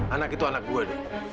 anak itu anak gue del